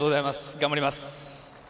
頑張ります。